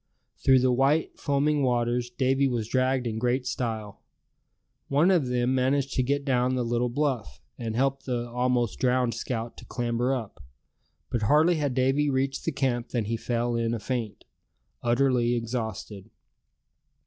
Through the white foaming waters Davy was dragged in great style. One of them managed to get down the little bluff, and helped the almost drowned scout to clamber up. But hardly had Davy reached the camp than he fell in a faint, utterly exhausted.